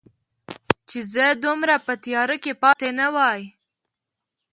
چې زه دومره په تیاره کې پاتې نه وای